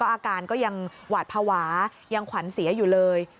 อาการก็ยังหวาดภาวะยังขวัญเสียอยู่เลย